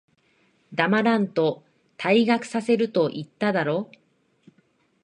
黙らんと、退学させると言っただろ。